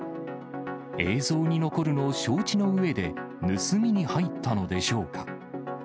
映像に残るのを承知のうえで盗みに入ったのでしょうか。